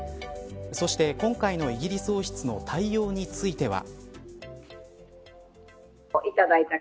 そして今回のイギリス王室の対応については。